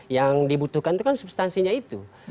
yang dibutuhkan itu kan substansinya itu